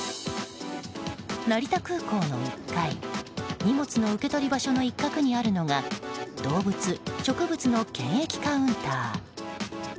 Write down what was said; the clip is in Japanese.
成田空港の１階荷物の受け取り場所の一角にあるのが動物・植物の検疫カウンター。